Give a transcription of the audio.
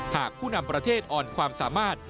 ผู้นำประเทศอ่อนความสามารถ